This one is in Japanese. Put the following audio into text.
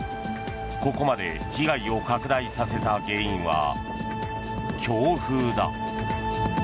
ここまで被害を拡大させた原因は強風だ。